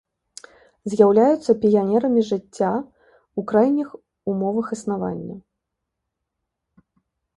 З'яўляюцца піянерамі жыцця ў крайніх умовах існавання.